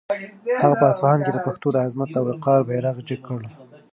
هغه په اصفهان کې د پښتنو د عظمت او وقار بیرغ جګ کړ.